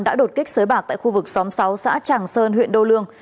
đã đột kích sới bạc tại khu vực xóm sáu xã tràng sơn huyện đô lương